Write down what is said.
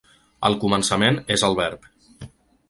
Al començament és el verb.